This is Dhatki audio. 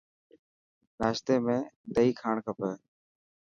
ناشتي ۾ دئي کائڻ کپي.